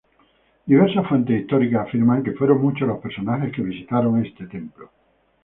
Diversas fuentes históricas afirman que fueron muchos los personajes que visitaron este templo.